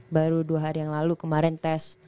baru dua hari yang lalu kemaren test